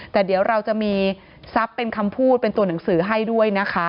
แต่เดี๋ยวเราจะมีทรัพย์เป็นคำพูดเป็นตัวหนังสือให้ด้วยนะคะ